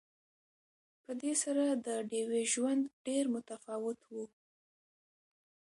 په دې سره د ډیوې ژوند ډېر متفاوت وو